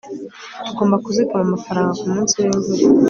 tugomba kuzigama amafaranga kumunsi wimvura